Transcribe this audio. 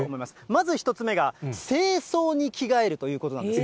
まず１つ目が正装に着替えるということなんです。